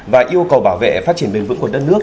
và yêu cầu bảo vệ phát triển bền vững của đất nước